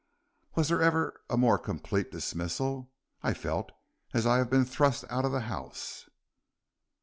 Was there ever a more complete dismissal? I felt as if I had been thrust out of the house."